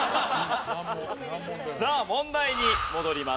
さあ問題に戻ります。